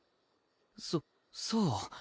そそう。